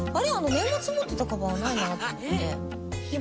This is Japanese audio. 年末持ってたカバンないなって思ってひー